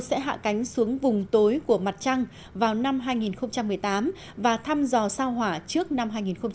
sẽ hạ cánh xuống vùng tối của mặt trăng vào năm hai nghìn một mươi tám và thăm dò sao hỏa trước năm hai nghìn một mươi bảy